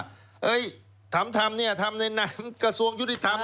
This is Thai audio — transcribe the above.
เฮ้ยทำเนี่ยทำในนั้นกระทรวงยุติธรรมนะ